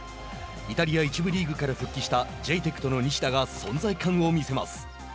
イタリア１部リーグから復帰したジェイテクトの西田が存在感を見せます。